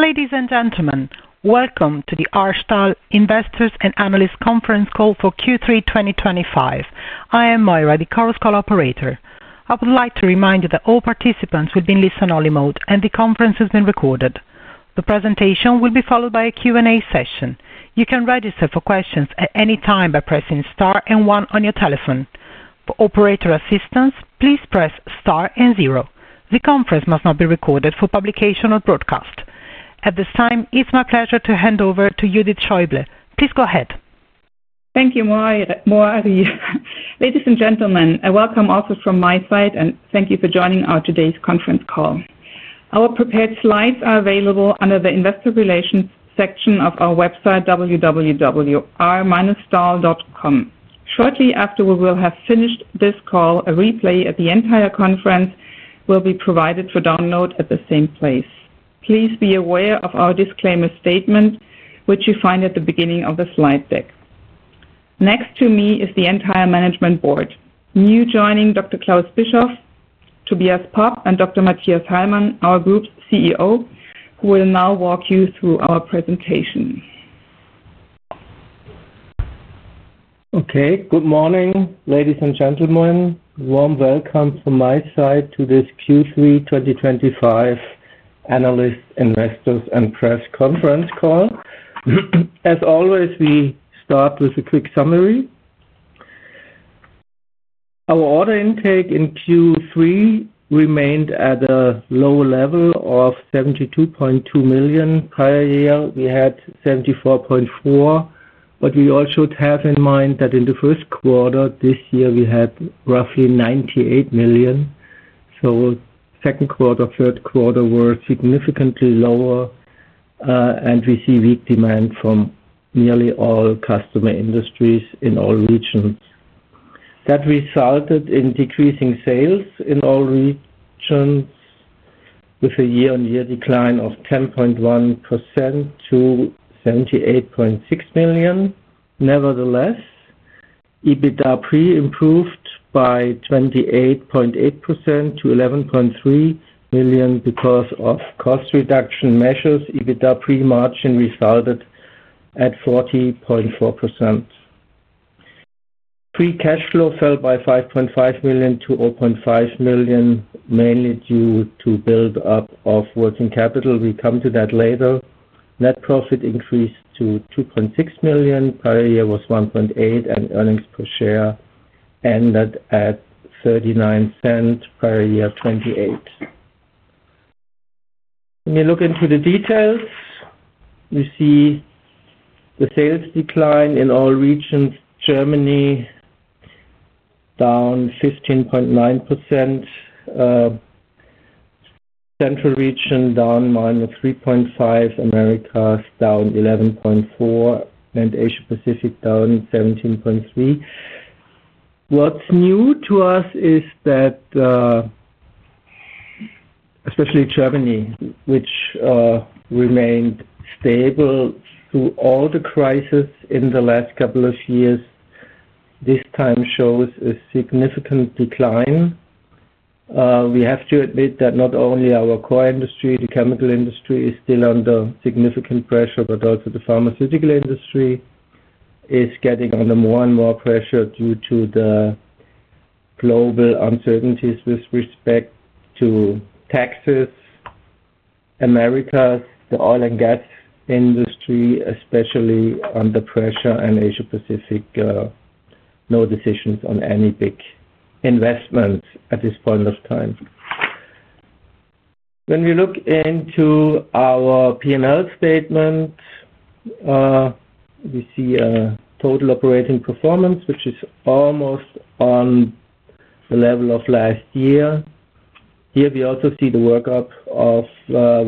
Ladies and gentlemen, welcome to the R. STAHL Investors and Analysts Conference call for Q3 2025. I am Moira, the call's co-operator. I would like to remind you that all participants will be in listen-only mode and the conference has been recorded. The presentation will be followed by a Q&A session. You can register for questions at any time by pressing star and one on your telephone. For operator assistance, please press star and zero. The conference must not be recorded for publication or broadcast. At this time, it's my pleasure to hand over to Judith Schäuble. Please go ahead. Thank you, Moira. Ladies and gentlemen, a welcome also from my side, and thank you for joining our today's conference call. Our prepared slides are available under the Investor Relations section of our website, www.r-stahl.com. Shortly after we will have finished this call, a replay of the entire conference will be provided for download at the same place. Please be aware of our disclaimer statement, which you find at the beginning of the slide deck. Next to me is the entire management board. New joining, Dr. Klaus Bischoff, Tobias Popp, and Dr. Mathias Hallmann, our group's CEO, who will now walk you through our presentation. Okay. Good morning, ladies and gentlemen. Warm welcome from my side to this Q3 2025 analysts, investors, and press conference call. As always, we start with a quick summary. Our order intake in Q3 remained at a low level of 72.2 million. Prior year, we had 74.4 million, but we also have in mind that in the first quarter this year, we had roughly 98 million. Second quarter, third quarter were significantly lower, and we see weak demand from nearly all customer industries in all regions. That resulted in decreasing sales in all regions, with a year-on-year decline of 10.1% to EUR 78.6 million. Nevertheless, EBITDA pre improved by 28.8% to 11.3 million because of cost reduction measures. EBITDA pre-margin resulted at 40.4%. Free cash flow fell by 5.5 million to 0.5 million, mainly due to build-up of working capital. We come to that later. Net profit increased to 2.6 million. Prior year was 1.8 million, and earnings per share ended at 0.39. Prior year 0.28. When you look into the details, you see the sales decline in all regions. Germany down 15.9%, Central region down -3.5%, America down 11.4%, and Asia-Pacific down 17.3%. What is new to us is that especially Germany, which remained stable through all the crises in the last couple of years, this time shows a significant decline. We have to admit that not only our core industry, the chemical industry, is still under significant pressure, but also the pharmaceutical industry is getting under more and more pressure due to the global uncertainties with respect to taxes. Americas, the oil and gas industry, especially under pressure, and Asia-Pacific, no decisions on any big investments at this point of time. When we look into our P&L statement, we see a total operating performance, which is almost on the level of last year. Here we also see the workup of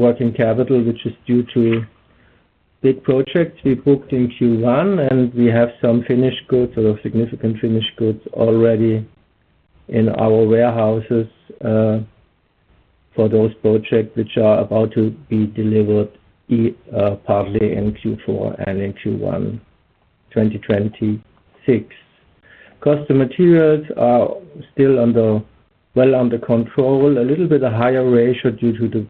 working capital, which is due to big projects we booked in Q1, and we have some finished goods or significant finished goods already in our warehouses for those projects which are about to be delivered partly in Q4 and in Q1 2026. Custom materials are still well under control, a little bit a higher ratio due to the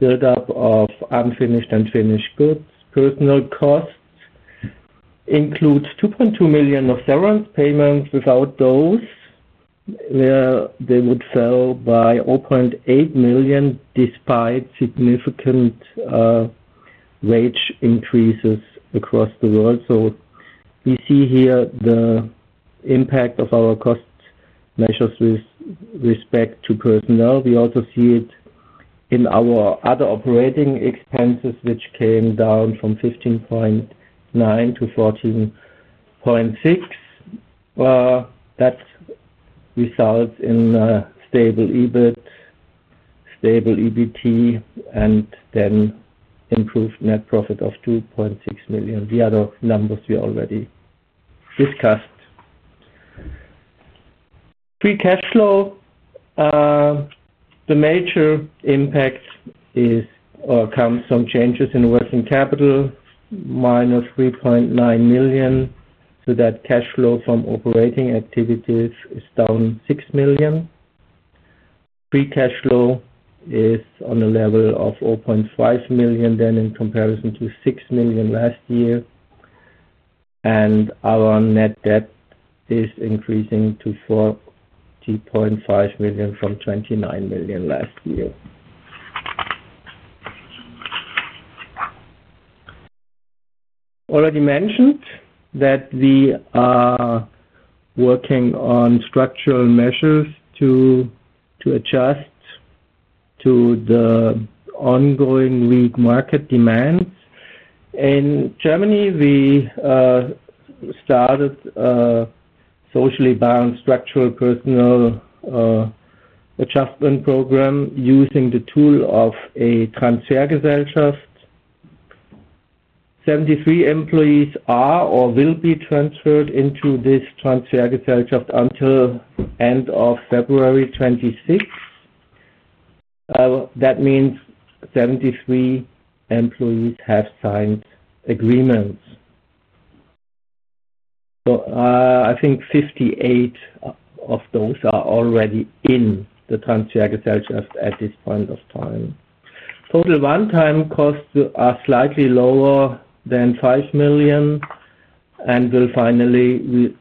build-up of unfinished and finished goods. Personnel costs include 2.2 million of severance payments. Without those, they would fall by 0.8 million despite significant wage increases across the world. We see here the impact of our cost measures with respect to personnel. We also see it in our other operating expenses, which came down from 15.9 million to 14.6 million. That results in a stable EBIT, stable EBT, and then improved net profit of 2.6 million. The other numbers we already discussed. Free cash flow, the major impact comes from changes in working capital, minus 3.9 million, so that cash flow from operating activities is down 6 million. Free cash flow is on the level of 0.5 million then in comparison to 6 million last year. Our net debt is increasing to 40.5 million from 29 million last year. We are working on structural measures to adjust to the ongoing weak market demands. In Germany, we started a socially bound structural personnel adjustment program using the tool of a Transfergesellschaft. 73 employees are or will be transferred into this Transfergesellschaft until end of February 2026. That means 73 employees have signed agreements. I think 58 of those are already in the Transfergesellschaft at this point of time. Total one-time costs are slightly lower than 5 million and will finally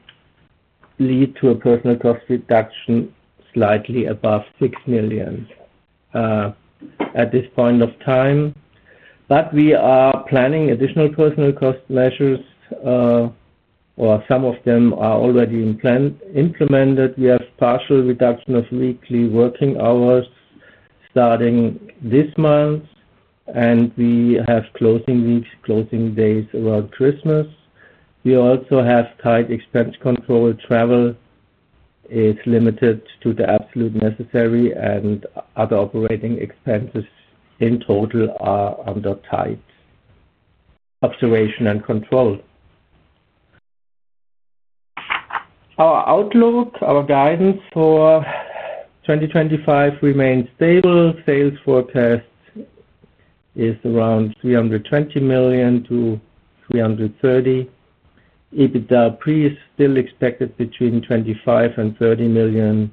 lead to a personnel cost reduction slightly above 6 million at this point of time. We are planning additional personnel cost measures, and some of them are already implemented. We have partial reduction of weekly working hours starting this month, and we have closing weeks, closing days around Christmas. We also have tight expense control. Travel is limited to the absolute necessary, and other operating expenses in total are under tight observation and control. Our outlook, our guidance for 2025 remains stable. Sales forecast is around 320 million-330 million. EBITDA pre is still expected between 25 million and 30 million.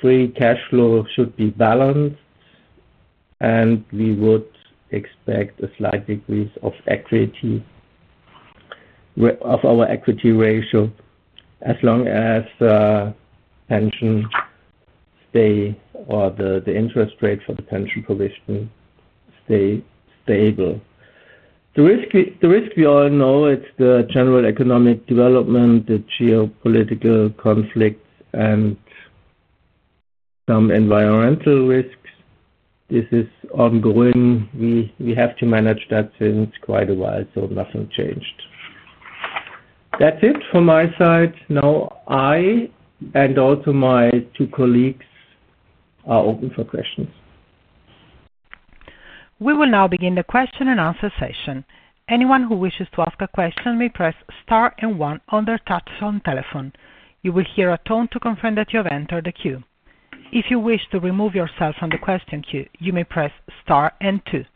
Free cash flow should be balanced. We would expect a slight decrease of our equity ratio as long as pension stays or the interest rate for the pension provision stays stable. The risk we all know is the general economic development, the geopolitical conflict, and some environmental risks. This is ongoing. We have to manage that since quite a while, so nothing changed. That is it from my side. Now, I and also my two colleagues are open for questions. We will now begin the question-and-answer session. Anyone who wishes to ask a question may press star and one on their touch-on telephone. You will hear a tone to confirm that you have entered the queue. If you wish to remove yourself from the question queue, you may press star and two.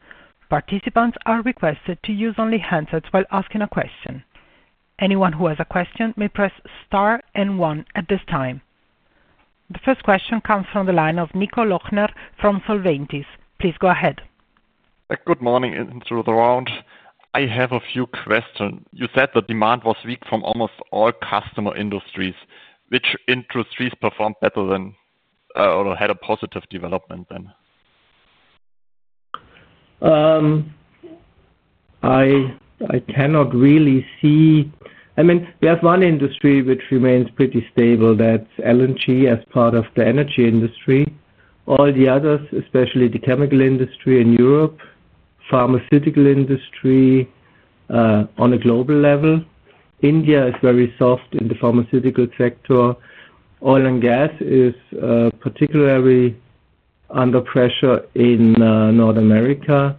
Participants are requested to use only handsets while asking a question. Anyone who has a question may press star and one at this time. The first question comes from the line of Nico Löchner from Solventis. Please go ahead. Good morning, Innsbruck around. I have a few questions. You said the demand was weak from almost all customer industries. Which industries performed better then? Or had a positive development then? I cannot really see. I mean, we have one industry which remains pretty stable. That's LNG as part of the energy industry. All the others, especially the chemical industry in Europe, the pharmaceutical industry. On a global level. India is very soft in the pharmaceutical sector. Oil and gas is particularly under pressure in North America.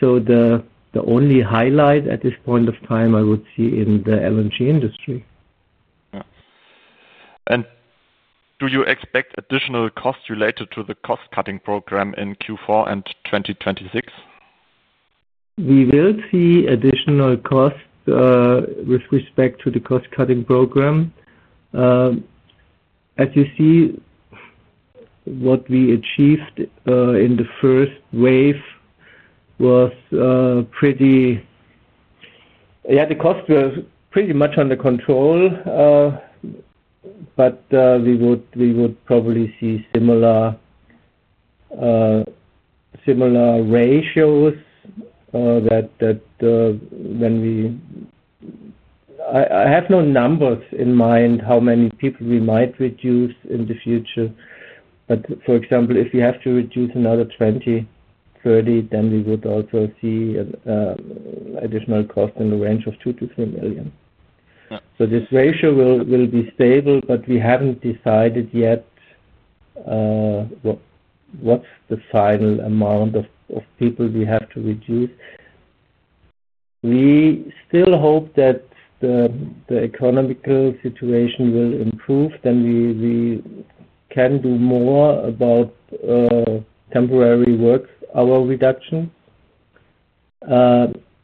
The only highlight at this point of time, I would see in the LNG industry. Do you expect additional costs related to the cost-cutting program in Q4 and 2026? We will see additional costs. With respect to the cost-cutting program, as you see, what we achieved in the first wave was pretty, yeah, the cost was pretty much under control, but we would probably see similar ratios. I have no numbers in mind how many people we might reduce in the future. For example, if we have to reduce another 20-30, then we would also see additional costs in the range of 2 million-3 million. This ratio will be stable, but we have not decided yet what is the final amount of people we have to reduce. We still hope that the economical situation will improve. We can do more about temporary work hour reduction.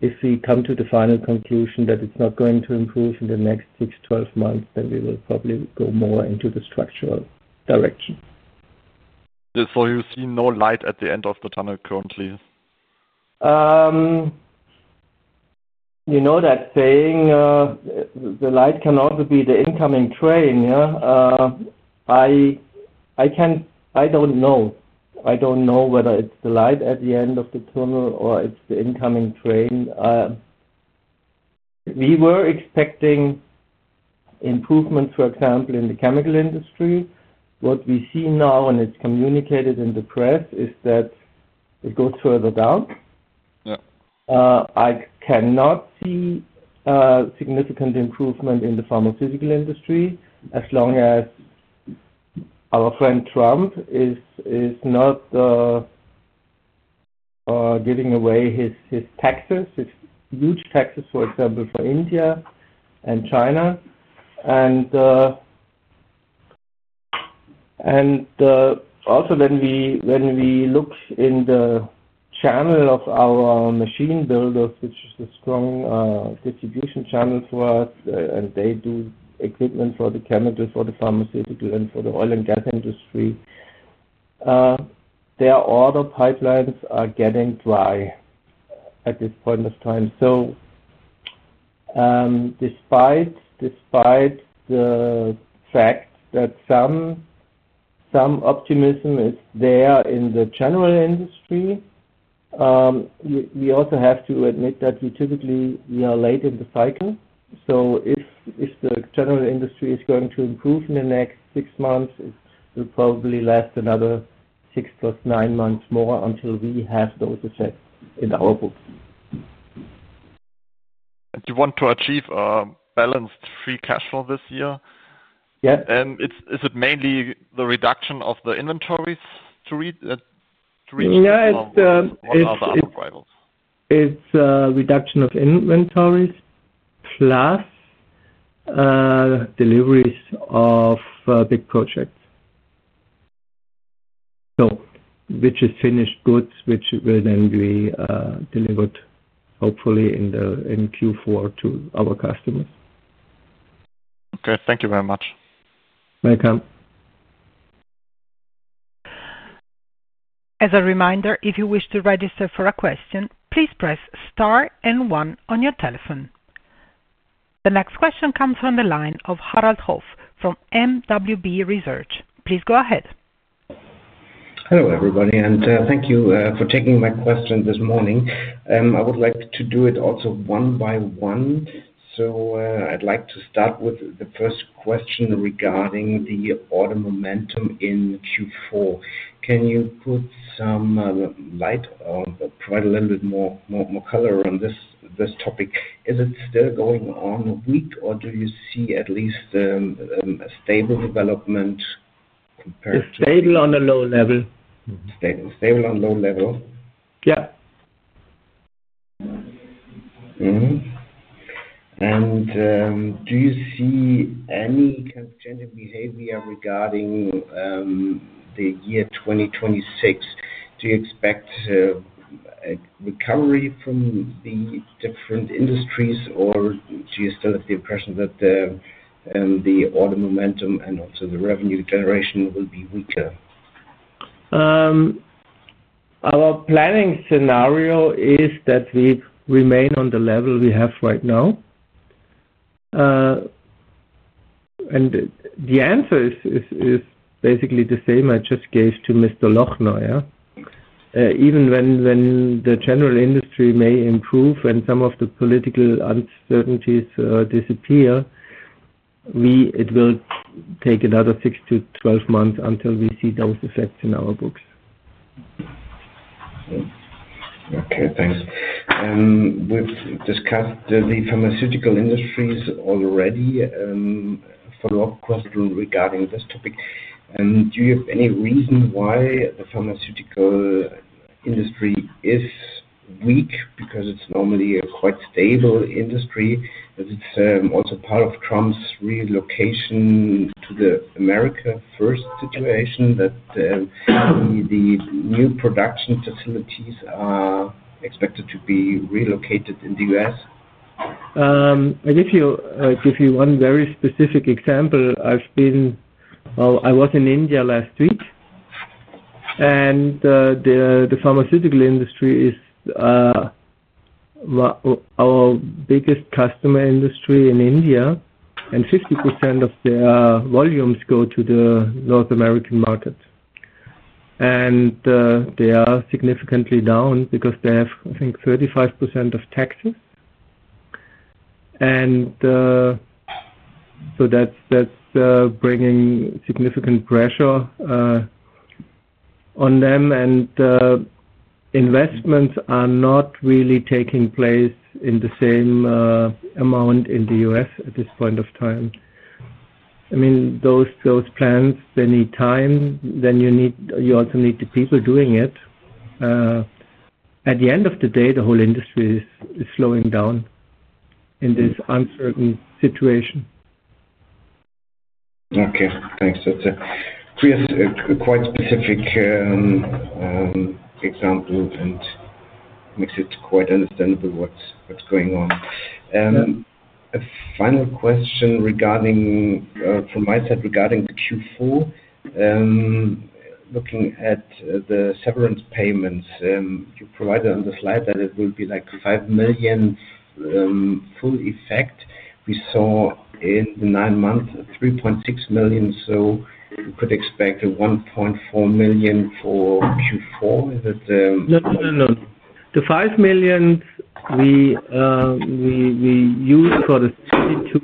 If we come to the final conclusion that it is not going to improve in the next 6-12 months, we will probably go more into the structural direction. You see no light at the end of the tunnel currently? You know that saying. The light can also be the incoming train. I do not know. I do not know whether it is the light at the end of the tunnel or it is the incoming train. We were expecting improvements, for example, in the chemical industry. What we see now, and it is communicated in the press, is that it goes further down. I cannot see significant improvement in the pharmaceutical industry as long as our friend Trump is not giving away his taxes, his huge taxes, for example, for India and China. Also, when we look in the channel of our machine builders, which is a strong distribution channel for us, and they do equipment for the chemical, for the pharmaceutical, and for the oil and gas industry, their order pipelines are getting dry at this point of time. Despite the fact that some optimism is there in the general industry, we also have to admit that we typically are late in the cycle. If the general industry is going to improve in the next six months, it will probably last another six plus nine months more until we have those effects in our book. You want to achieve a balanced free cash flow this year. Yes. Is it mainly the reduction of the inventories to reach or other arrivals? It's a reduction of inventories plus deliveries of big projects. Which is finished goods, which will then be delivered, hopefully, in Q4 to our customers. Okay. Thank you very much. Welcome. As a reminder, if you wish to register for a question, please press star and one on your telephone. The next question comes from the line of Harald Hof from MBW Research. Please go ahead. Hello everybody, and thank you for taking my question this morning. I would like to do it also one by one. I would like to start with the first question regarding the order momentum in Q4. Can you put some light or provide a little bit more color on this topic? Is it still going on weak, or do you see at least a stable development compared to? Stable on a low level. Stable on a low level. Yeah. Do you see any kind of change in behavior regarding the year 2026? Do you expect recovery from the different industries, or do you still have the impression that the order momentum and also the revenue generation will be weaker? Our planning scenario is that we remain on the level we have right now. The answer is basically the same I just gave to Mr. Löchner, yeah? Even when the general industry may improve and some of the political uncertainties disappear. It will take another 6-12 months until we see those effects in our books. Okay. Thanks. We've discussed the pharmaceutical industries already. For your question regarding this topic, do you have any reason why the pharmaceutical industry is weak? Because it's normally a quite stable industry. It's also part of Trump's relocation to the America first situation that the new production facilities are expected to be relocated in the U.S.? I give you one very specific example. I was in India last week. The pharmaceutical industry is our biggest customer industry in India, and 50% of their volumes go to the North American market. They are significantly down because they have, I think, 35% of taxes. That is bringing significant pressure on them. Investments are not really taking place in the same amount in the U.S. at this point of time. I mean, those plans, they need time. You also need the people doing it. At the end of the day, the whole industry is slowing down in this uncertain situation. Okay. Thanks. That's quite specific. Example and makes it quite understandable what's going on. A final question from my side regarding Q4. Looking at the severance payments, you provided on the slide that it will be like 5 million. Full effect. We saw in the nine months, 3.6 million. So we could expect 1.4 million for Q4. Is it? No, no, no. The 5 million we used for the 32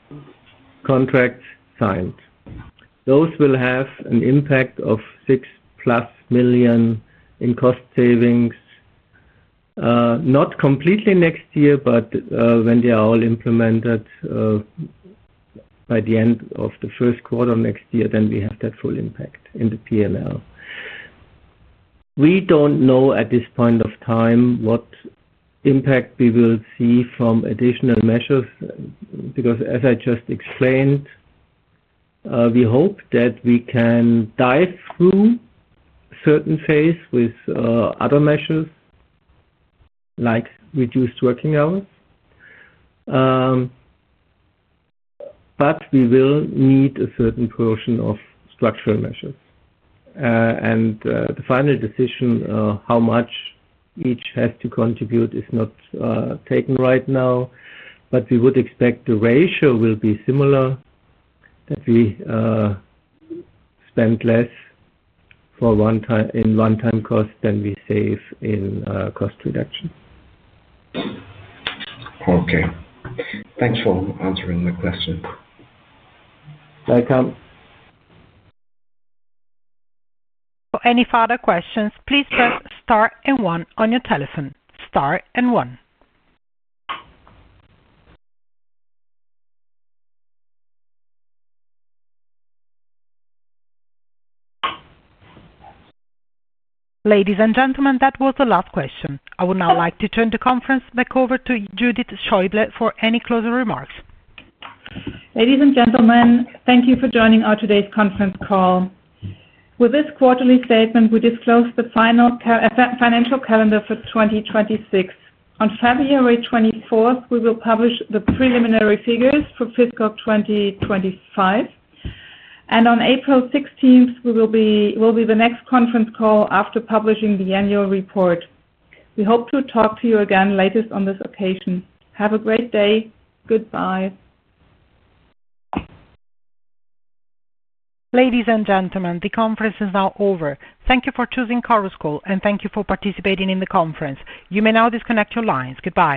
contracts signed. Those will have an impact of 6 million-plus in cost savings. Not completely next year, but when they are all implemented. By the end of the first quarter next year, we have that full impact in the P&L. We do not know at this point of time what impact we will see from additional measures because, as I just explained, we hope that we can dive through certain phases with other measures, like reduced working hours. We will need a certain portion of structural measures. The final decision, how much each has to contribute, is not taken right now. We would expect the ratio will be similar, that we spend less in one-time costs than we save in cost reduction. Okay. Thanks for answering my question. Welcome. For any further questions, please press star and one on your telephone. star and one. Ladies and gentlemen, that was the last question. I would now like to turn the conference back over to Judith Schäuble for any closing remarks. Ladies and gentlemen, thank you for joining our today's conference call. With this quarterly statement, we disclose the final financial calendar for 2026. On February 24th, we will publish the preliminary figures for fiscal 2025. On April 16th, we will be the next conference call after publishing the annual report. We hope to talk to you again later on this occasion. Have a great day. Goodbye. Ladies and gentlemen, the conference is now over. Thank you for choosing CorusCall, and thank you for participating in the conference. You may now disconnect your lines. Goodbye.